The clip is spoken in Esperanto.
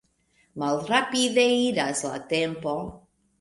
Malrapide iras la tempo.